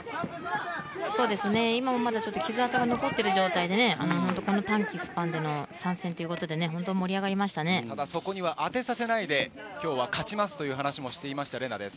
今もまだ傷痕が残っている状態で短期スパンでの参戦ということでただ、そこには当てさせず今日は勝ちますと話していたＲＥＮＡです。